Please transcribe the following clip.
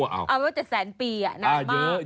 ว่า๗๐๐ปีอ่ะนานมาก